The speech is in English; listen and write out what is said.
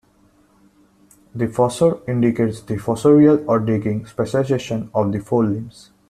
The "fossor" indicates the fossorial, or digging, specialization of the forelimbs.